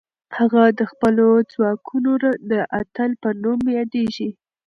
هغه د خپلو ځواکونو د اتل په نوم یادېږي.